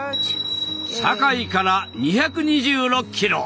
堺から２２６ｋｍ。